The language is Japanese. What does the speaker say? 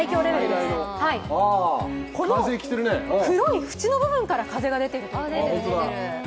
この黒い縁の部分から風が出てるということです。